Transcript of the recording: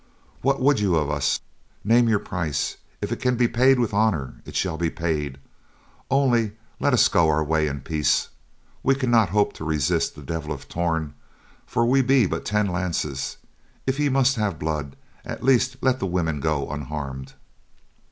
What would you of us? Name your price, if it can be paid with honor, it shall be paid; only let us go our way in peace. We cannot hope to resist the Devil of Torn, for we be but ten lances. If ye must have blood, at least let the women go unharmed."